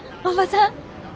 おばさん！